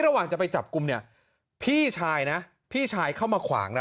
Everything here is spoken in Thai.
ระหว่างจะไปจับกลุ่มเนี่ยพี่ชายนะพี่ชายเข้ามาขวางนะ